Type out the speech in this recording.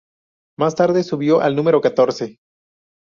Más tarde subió al número catorce.